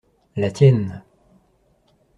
La tienne.